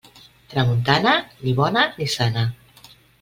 Tramuntana, ni bona ni sana.